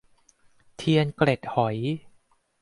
เทียนเกล็ดหอย